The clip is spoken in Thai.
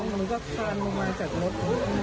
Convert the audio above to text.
มันก็คานลงมาจากรถ